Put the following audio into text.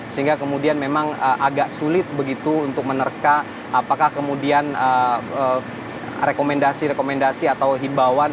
sehingga kemudian memang agak sulit begitu untuk menerka apakah kemudian rekomendasi rekomendasi atau himbauan